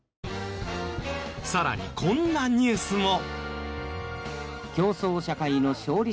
さらにこんなニュースも。